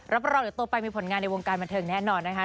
รับรองตัวไปมีผลงานในวงการบรรเทิงแน่นอนนะคะ